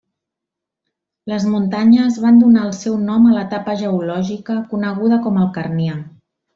Les muntanyes van donar el seu nom a l'etapa geològica coneguda com el Carnià.